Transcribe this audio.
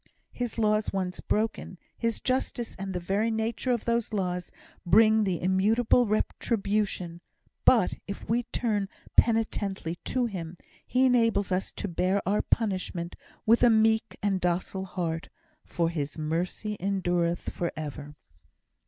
His laws once broken, His justice and the very nature of those laws bring the immutable retribution; but if we turn penitently to Him, He enables us to bear our punishment with a meek and docile heart, "for His mercy endureth for ever."